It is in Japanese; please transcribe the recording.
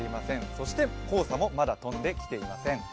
そして、黄砂もまだ飛んできてはいません。